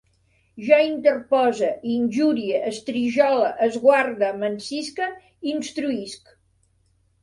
Jo interpose, injurie, estrijole, esguarde, m'encisque, instruïsc